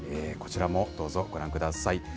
こちらもどうぞご覧ください。